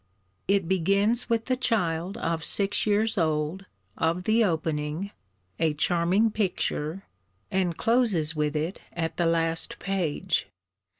It begins with the child of six years old, of the opening (a charming picture), and closes with it at the last page.